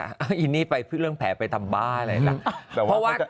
อันนี้เรื่องแผลไปทำบ้าอะไรแหละ